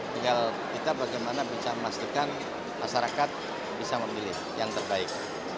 tinggal kita bagaimana bisa memastikan masyarakat bisa memilih yang terbaik